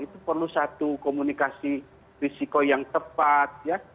itu perlu satu komunikasi risiko yang tepat ya